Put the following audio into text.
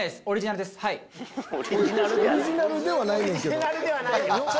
オリジナルではないけど。